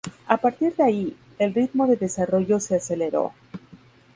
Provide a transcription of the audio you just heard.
A partir de ahí, el ritmo de desarrollo se aceleró.